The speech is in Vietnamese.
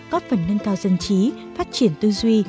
có phần nâng cao dân trí phát triển tư duy